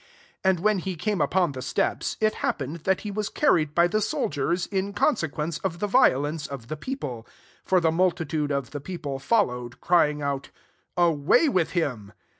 35 And when he came upon the steps, it happened that he was carried by the soldiers, in consequence of the violence of the people; 36 for the multi tude of the people followed, crying out, " Away with him."